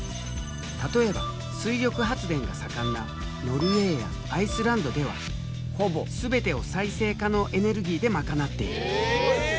例えば水力発電が盛んなノルウェーやアイスランドではほぼ全てを再生可能エネルギーでまかなっている。